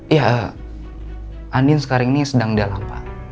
ya andin sekarang ini sedang dalam pak